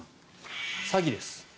詐欺です。